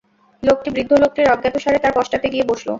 লোকটি বৃদ্ধ লোকটির অজ্ঞাতসারে তার পশ্চাতে গিয়ে বসল।